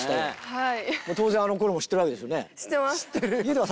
はい。